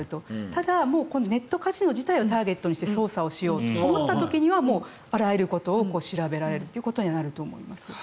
ただ、ネットカジノ自体をターゲットにして捜査をしようと思った時にはあらゆることを調べられるということになると思います。